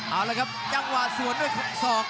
เอาละครับยังวาดส่วนด้วยสอก